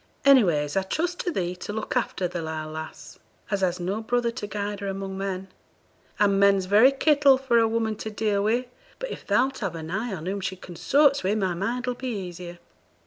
Anyways, I trust to thee to look after the lile lass, as has no brother to guide her among men and men's very kittle for a woman to deal wi; but if thou'lt have an eye on whom she consorts wi', my mind 'll be easier.'